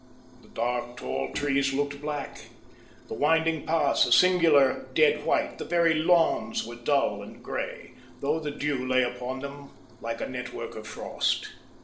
The dark, tall trees looked black; the winding paths, a singular dead white; the very lawns were dull and grey, though the dew lay upon them like a network of frost.